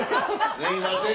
すいません。